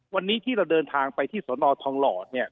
วันนี้ที่เราเดินทางไปที่สนทองหล่อเนี่ย